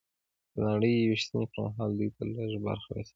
د نړۍ وېشنې پر مهال دوی ته لږ برخه رسېدلې